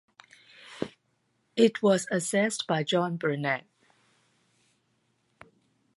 It was assessed by John Burnet.